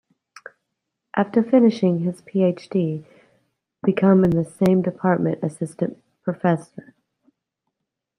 After finishing his PhD become in the same department Assistant Professor.